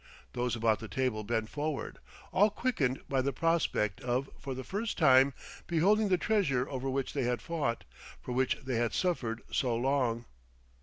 Those about the table bent forward, all quickened by the prospect of for the first time beholding the treasure over which they had fought, for which they had suffered, so long....